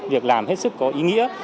việc làm hết sức có ý nghĩa